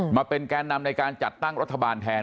มาเป็นแกนนำในการจัดตั้งรัฐบาลแทน